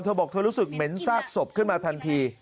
บอกเธอรู้สึกเหม็นซากศพขึ้นมาทันที